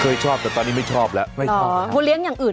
เคยชอบแต่ตอนนี้ไม่ชอบแล้ว